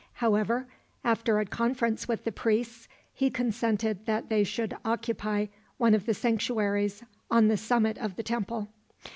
However, after a conference with the priests, he consented that they should occupy one of the sanctuaries on the summit of the temple.